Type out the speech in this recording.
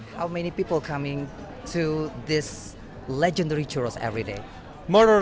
berapa banyak orang yang datang ke churros legendaris ini setiap hari